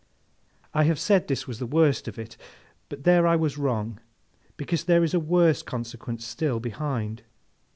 I have said this was the worst of it, but there I was wrong, because there is a worse consequence still, behind.